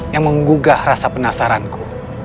yang menggugah rasa penasaranku